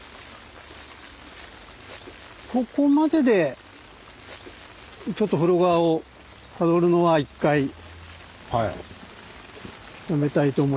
ここまででちょっと風呂川をたどるのは一回やめたいと思います。